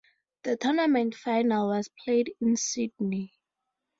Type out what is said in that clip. The tournament final was played in Sydney.